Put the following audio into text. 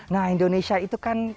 nah indonesia itu kan